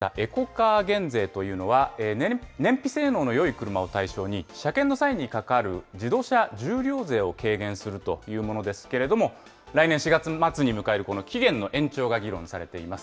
そして左下、エコカー減税というのは、燃費性能のよい車を対象に、車検の際にかかる自動車重量税を軽減するというものですけれども、来年４月末に迎えるこの期限の延長が議論されています。